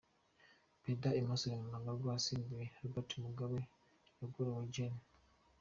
Perezida Emmerson Mnangagwa wasimbuye Robert Mugabe yagoroye Gen.